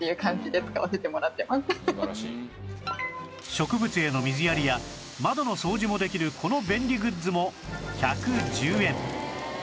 植物への水やりや窓の掃除もできるこの便利グッズも１１０円